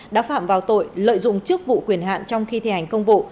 đã phạm vào tội lợi dụng chức vụ quyền hạn trong khi thi hành công vụ